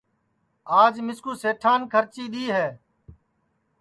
آج مِسکُُو سیٹان کھرچی دؔی ہے